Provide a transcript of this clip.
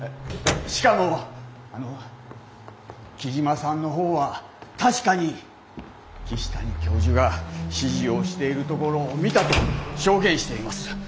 しかも木嶋さんの方は確かに岸谷教授が指示をしているところを見たと証言しています。